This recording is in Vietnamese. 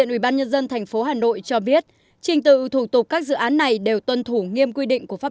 ubnd thành phố hà nội cho biết trình tựu thủ tục các dự án này đều tuân thủ nghiêm quy định của pháp